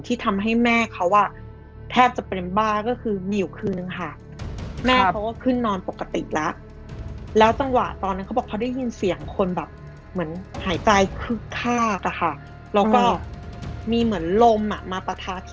ที่ทำให้แม่เขาแทบจะเป็นบ้างก็คือมีอยู่คืนนึงค่ะ